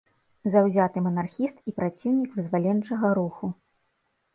Заўзяты манархіст і праціўнік вызваленчага руху.